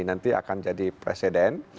nanti akan jadi presiden